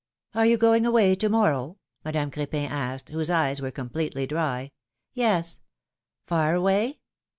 ^^Are you going away to morrow?" Madame Cr^pin asked, whose eyes were completely dry. Yes." Far away